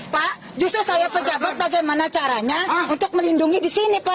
pak justru saya pejabat bagaimana caranya untuk melindungi di sini pak